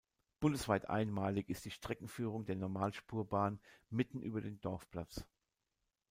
Bundesweit einmalig ist die Streckenführung der Normalspurbahn mitten über den Dorfplatz.